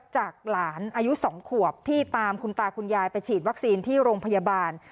จากหลานอายุ๒ขวบที่ตามคุณตาคุณยายไปฉีดวัคซีนที่โรงพยาบาล